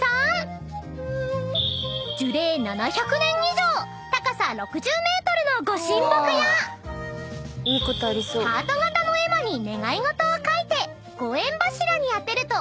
［樹齢７００年以上高さ６０ｍのご神木やハート形の絵馬に願い事を書いてご縁柱に当てると］